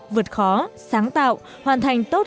vượt khó sáng tạo hoàn thành tốt